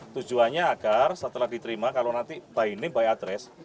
tujuannya agar setelah diterima kalau nanti baik ini berhasil